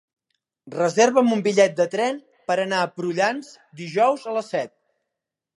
Reserva'm un bitllet de tren per anar a Prullans dijous a les set.